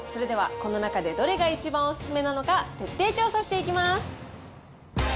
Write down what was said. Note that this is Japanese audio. それでは、この中でどれが一番お勧めなのか、徹底調査していきます。